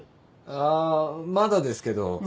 ああまだですけど。